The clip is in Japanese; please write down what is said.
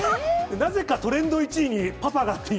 なぜかトレンド１位にパパがっていう。